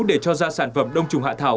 để cho ra sản phẩm đồng trùng hạ thảo